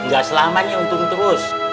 gak selamanya untung terus